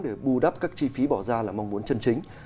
để bù đắp các chi phí bỏ ra là mong muốn chân chính